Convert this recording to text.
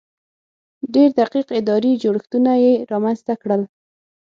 ډېر دقیق اداري جوړښتونه یې رامنځته کړل.